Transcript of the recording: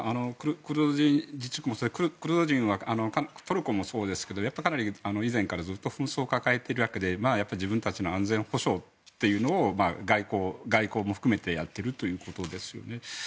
クルド人自治区でもクルド人はトルコでもそうですがやっぱり、かなり以前からずっと紛争を抱えていて自分たちの安全保障というのを外交も含めてやっているということですね